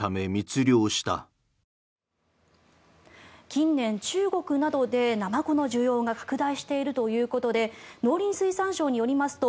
近年中国などでナマコの需要が拡大しているということで農林水産省によりますと